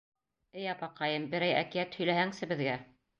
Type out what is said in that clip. — Эй апаҡайым, берәй әкиәт һөйләһәңсе беҙгә.